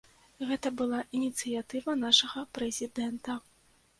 Гэта была ініцыятыва нашага прэзідэнта.